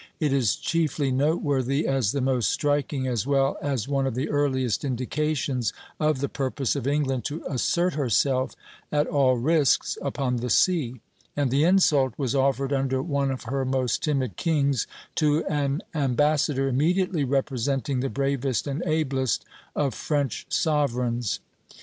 It is chiefly noteworthy as the most striking, as well as one of the earliest indications of the purpose of England to assert herself at all risks upon the sea; and the insult was offered under one of her most timid kings to an ambassador immediately representing the bravest and ablest of French sovereigns.